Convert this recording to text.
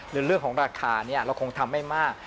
หรือเรื่องของราคาเราคงทำไม่มาก